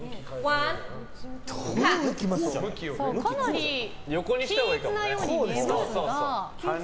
かなり均一なように見えますが。